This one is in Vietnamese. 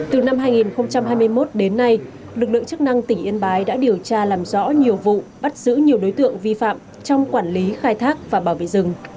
từ năm hai nghìn hai mươi một đến nay lực lượng chức năng tỉnh yên bái đã điều tra làm rõ nhiều vụ bắt giữ nhiều đối tượng vi phạm trong quản lý khai thác và bảo vệ rừng